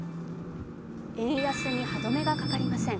円安に歯止めがかかりません。